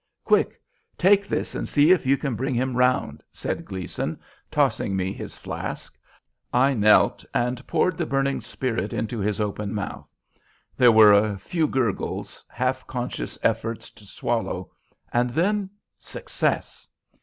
"Quick! Take this and see if you can bring him round," said Gleason, tossing me his flask. I knelt and poured the burning spirit into his open mouth. There were a few gurgles, half conscious efforts to swallow, and then success.